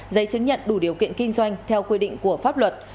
giấy chứng nhận đủ điều kiện kinh doanh theo quy định của pháp luật